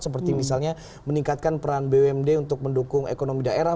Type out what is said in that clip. seperti misalnya meningkatkan peran bumd untuk mendukung ekonomi daerah